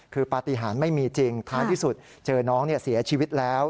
คือปฏิหารไม่มีจริงท้ายที่สุดเจอน้องเสียชีวิตแล้ว